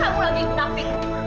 kamu lagi bunafik